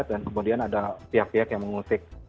dan kemudian ada pihak pihak yang mengusik